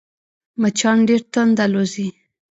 مچان ډېر تند الوزي